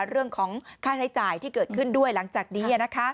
เรื่องของค่าใช้จ่ายที่เกิดขึ้นด้วยหลังจากนี้